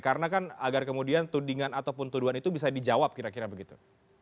karena kan agar kemudian tudingan ataupun tuduan itu bisa dijawab kira kira begitu